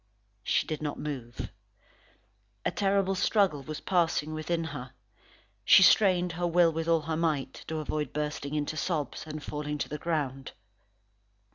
She did not move. A terrible struggle was passing within her. She strained her will with all her might, to avoid bursting into sobs, and falling to the ground.